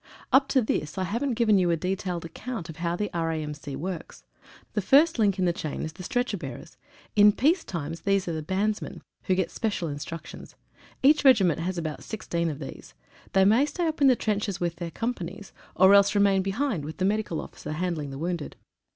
Up to this I haven't given you a detailed account of how the R.A.M.C. works. The first link in the chain is the stretcher bearers. In peace time these are the bandsmen, who get special instruc tions. Each regiment has about 16 of these. They may stay up in the trenches with their companies, or else remain behind with the medical officer handling the wounded.